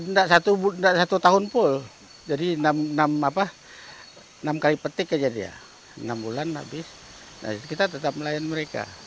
tidak satu tahun full jadi enam kali petik aja dia enam bulan habis kita tetap melayan mereka